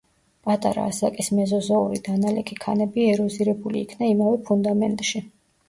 პატარა ასაკის მეზოზოური დანალექი ქანები ეროზირებული იქნა იმავე ფუნდამენტში.